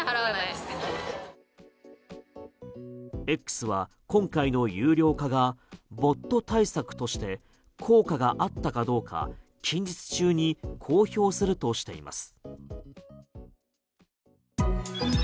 Ｘは今回の有料化がボット対策として効果があったかどうか近日中に公表するとしています。